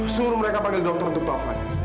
suruh mereka panggil dokter untuk tau van